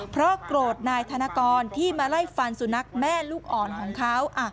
เพราะโกรธนายธนกรที่มาไล่ฟันสุนัขแม่ลูกอ่อนของเขา